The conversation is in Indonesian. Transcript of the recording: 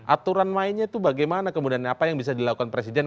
aturan mainnya itu bagaimana kemudian apa yang bisa dilakukan presiden